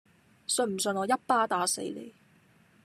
信唔信我一巴打死你